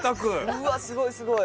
うわっすごいすごい！